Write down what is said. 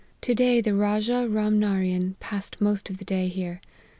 To day the Rajah Ram Narian passed most of the day here.